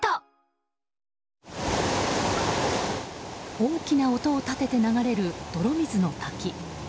大きな音を立てて流れる泥水の滝。